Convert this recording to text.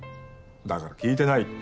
だから聞いてないって。